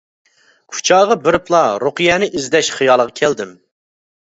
كۇچاغا بېرىپلا رۇقىيەنى ئىزدەش خىيالغا كەلدىم.